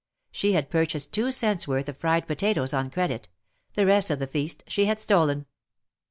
She had purchased two cents' worth of fried potatoes on credit; the rest of the feast she had stolen.